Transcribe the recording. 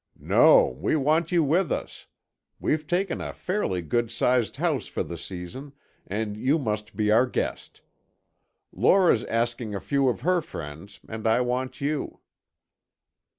"No, we want you with us. We've taken a fairly good sized house for the season, and you must be our guest. Lora's asking a few of her friends and I want you."